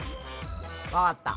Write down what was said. わかった。